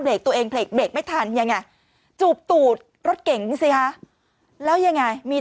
เบรกตัวเองเบรกไม่ทันอย่างไรจูบตว์ตูดรถเก่งดิเลยค่ะแล้วยังไงมี